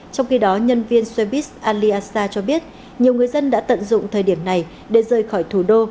trong khi đó nhân viên suebis aliasa cho biết nhiều người dân đã tận dụng thời điểm này để rời khỏi thủ đô